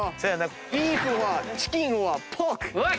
ビーフｏｒチキンｏｒポーク？